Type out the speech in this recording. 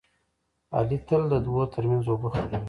علي تل د دوو ترمنځ اوبه خړوي.